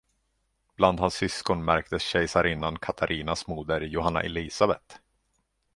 Bland hans syskon märkes kejsarinnan Katarinas moder Johanna Elisabet.